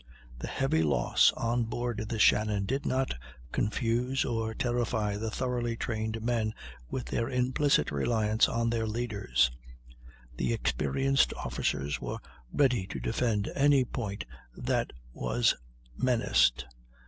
The heavy loss on board the Shannon did not confuse or terrify the thoroughly trained men with their implicit reliance on their leaders; and the experienced officers were ready to defend any point that was menaced.